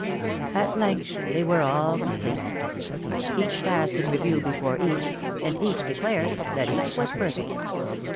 At length they were all complete! Each passed in review before each, and each declared that each was perfect.